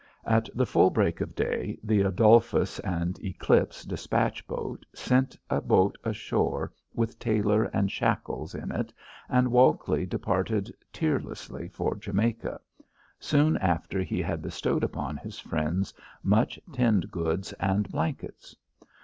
At the full break of day the Adolphus, and Eclipse despatch boat, sent a boat ashore with Tailor and Shackles in it, and Walkley departed tearlessly for Jamaica, soon after he had bestowed upon his friends much tinned goods and blankets.